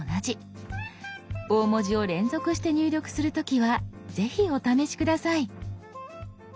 大文字を連続して入力する時はぜひお試し下さい。